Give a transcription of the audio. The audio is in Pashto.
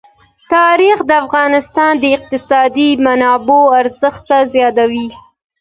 تاریخ د افغانستان د اقتصادي منابعو ارزښت زیاتوي.